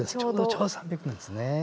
ちょうど３００年ですね。